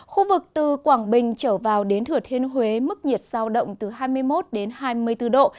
khu vực từ quảng bình trở vào đến thừa thiên huế mức nhiệt giao động từ hai mươi một đến hai mươi bốn độ